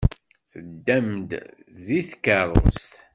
Teddam-d deg tkeṛṛust?